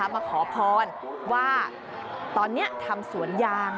มาขอพรว่าตอนนี้ทำสวนยาง